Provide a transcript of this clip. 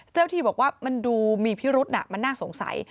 เจ้าที่บอกว่ามันดูมีพิรุษมันน่าสงสัย